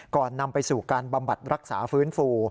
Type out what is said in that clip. นำไปสู่การบำบัดรักษาฟื้นฟู